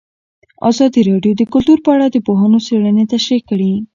ازادي راډیو د کلتور په اړه د پوهانو څېړنې تشریح کړې.